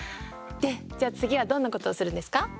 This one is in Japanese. でじゃあ次はどんなことをするんですか？